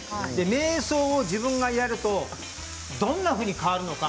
めい想を自分がやるとどんなふうに変わるのか。